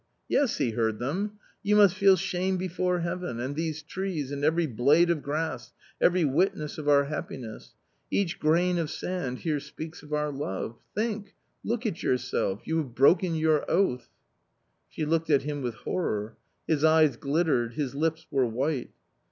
Yes, He heard them ! You must feel shame before Heaven, and these trees and every blade of grass, every witness of our happiness : each grain of sand here speaks of our love ; think, look at your self !— you have broken your oath !" She looked at him with horror. His eyes glittered, his lips were white.